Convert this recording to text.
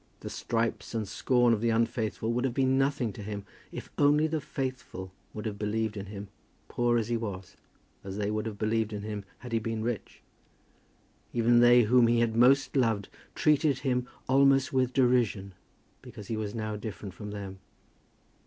The stripes and scorn of the unfaithful would have been nothing to him, if only the faithful would have believed in him, poor as he was, as they would have believed in him had he been rich! Even they whom he had most loved treated him almost with derision, because he was now different from them.